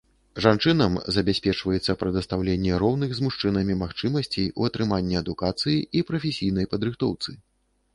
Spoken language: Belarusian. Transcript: Жанчынам забяспечваецца прадастаўленне роўных з мужчынамі магчымасцей у атрыманні адукацыі і прафесійнай падрыхтоўцы.